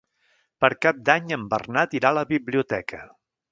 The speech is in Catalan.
Per Cap d'Any en Bernat irà a la biblioteca.